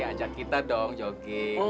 ajak kita dong jogging